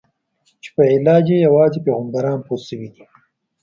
چې په علاج یې یوازې پیغمبران پوه شوي دي.